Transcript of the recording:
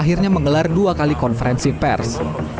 akhirnya menggelar dua kali konferensi pers